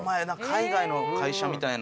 海外の会社みたいな。